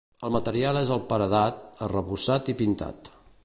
El material és el paredat, arrebossat i pintat.